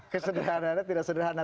kesederhanaan itu tidak sederhana